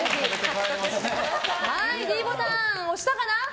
ｄボタン押したかな？